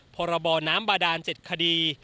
พรบน้ำบาดาน๗คดี